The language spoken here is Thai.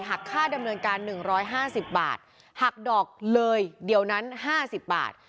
หักค่าดำเนินการหนึ่งร้อยห้าสิบบาทหักดอกเลยเดี๋ยวนั้นห้าสิบบาท